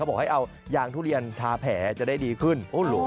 บอกให้เอายางทุเรียนทาแผลจะได้ดีขึ้น